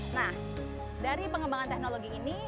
nah dari pengembangan teknologi ini